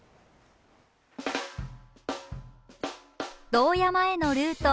堂山へのルート。